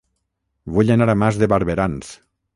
Vull anar a Mas de Barberans